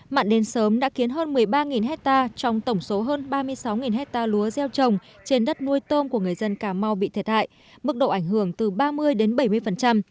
mặn đến sớm đã khiến hơn một mươi ba hectare trong tổng số hơn ba mươi sáu hectare lúa gieo trồng trên đất nuôi tôm của người dân cà mau bị thiệt hại mức độ ảnh hưởng từ ba mươi đến bảy mươi